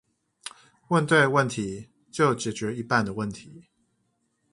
問對問題，就解決一半的問題